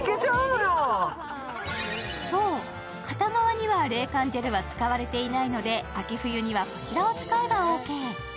そう、片側には冷感ジェルは使われていないので秋冬にはこちらを使えばＯＫ。